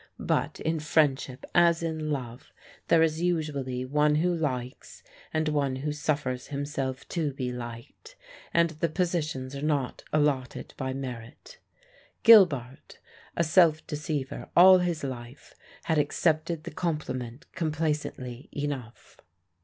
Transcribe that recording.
But in friendship as in love there is usually one who likes and one who suffers himself to be liked, and the positions are not allotted by merit. Gilbart a self deceiver all his life had accepted the compliment complacently enough.